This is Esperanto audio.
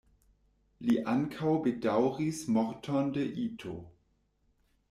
Li ankaŭ bedaŭris morton de Ito.